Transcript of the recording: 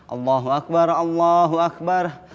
allahu akbar allahu akbar